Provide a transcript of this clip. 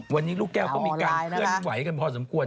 วันนี้ลูกแก้วก็มีการเคลื่อนไหวกันพอสมควร